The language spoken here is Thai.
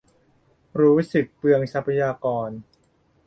รู้สึกเปลืองทรัพยากร